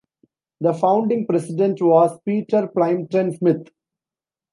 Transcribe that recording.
The founding president was Peter Plympton Smith.